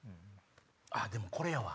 あでもこれやわ。